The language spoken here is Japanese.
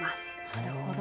なるほど。